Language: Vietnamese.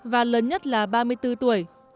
và lớn nhất là ba mươi bốn tuổi